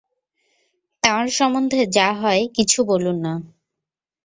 তাঁর সম্বন্ধে যা-হয়-কিছু বলুন-না।